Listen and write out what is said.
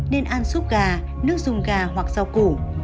nên ăn xúc gà nước dùng gà hoặc rau củ